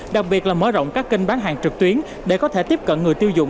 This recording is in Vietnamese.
đặc biệt là mở rộng các kênh bán hàng trực tuyến để có thể tiếp cận người tiêu dùng